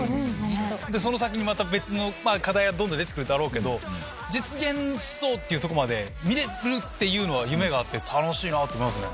その先にまた別の課題がどんどん出て来るだろうけど実現しそうってとこまで見れるっていうのは夢があって楽しいなと思いますね。